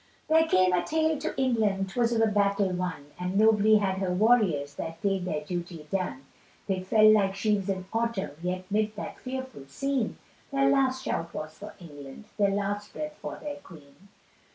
There came a tale to England, 'Twas of a battle won, And nobly had her warriors That day their duty done; They fell like sheaves in autumn, Yet 'mid that fearful scene, Their last shout was for England, Their last breath for their queen.